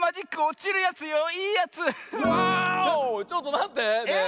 ちょっとまってねえ。